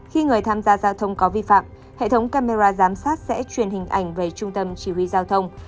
khi người tham gia giao thông có vi phạm hệ thống camera giám sát sẽ truyền hình ảnh về trung tâm chỉ huy giao thông